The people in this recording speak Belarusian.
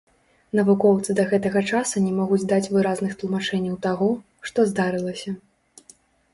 Навукоўцы да гэтага часу не могуць даць выразных тлумачэнняў таго, што здарылася.